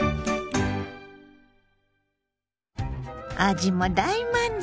味も大満足！